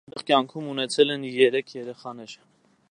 Համատեղ կյանքում ունեցել են երեք երեխաներ։